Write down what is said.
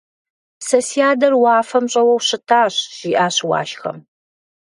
Сэ си адэр уафэм щӀэуэу щытащ, - жиӀащ Уашхэм.